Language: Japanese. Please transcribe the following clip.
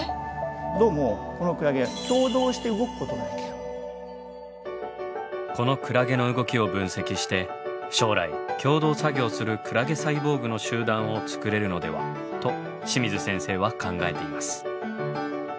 どうもこのクラゲこのクラゲの動きを分析して将来協同作業するクラゲサイボーグの集団を作れるのではと清水先生は考えています。